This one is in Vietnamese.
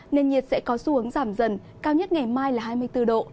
nền nhiệt sẽ có xu hướng giảm dần cao nhất ngày mai là hai mươi bốn độ